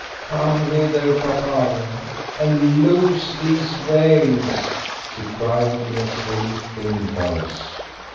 "Come hither, Papave, and loose these veils," she cried in a shrill, thin voice.